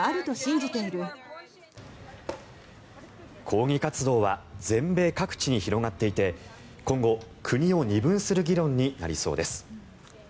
抗議活動は全米各地に広がっていて今後、国を二分する議論になりそうです。